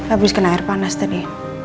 habis kena air panas tadi